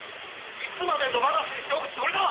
いつまで野放しにしておくつもりだ！